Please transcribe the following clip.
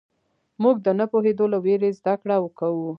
موږ د نه پوهېدو له وېرې زدهکړه کوو.